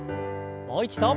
もう一度。